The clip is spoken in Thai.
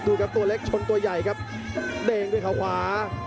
ครับตัวเล็กชนตัวใหญ่ครับเด้งด้วยเขาขวา